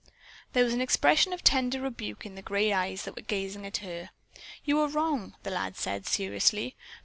There was an expression of tender rebuke in the gray eyes that were gazing at her. "You are wrong," the lad said seriously.